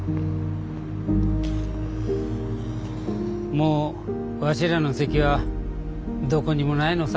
もうわしらの席はどこにもないのさ。